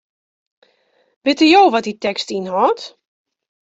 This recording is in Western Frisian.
Witte jo wat dy tekst ynhâldt?